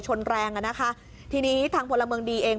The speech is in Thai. ชนแรงอ่ะนะคะทีนี้ทางพลเมืองดีเอง